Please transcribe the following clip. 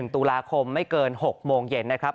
ตุลาคมไม่เกิน๖โมงเย็นนะครับ